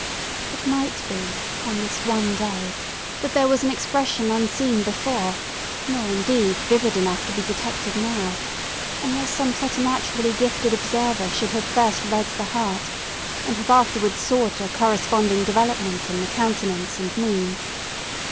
It might be, on this one day, that there was an expression unseen before, nor, indeed, vivid enough to be detected now; unless some preternaturally gifted observer should have first read the heart, and have afterwards sought a corresponding development in the countenance and mien.